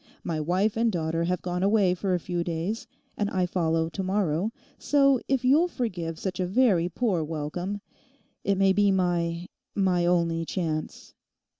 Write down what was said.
My wife and daughter have gone away for a few days; and I follow to morrow, so if you'll forgive such a very poor welcome, it may be my—my only chance.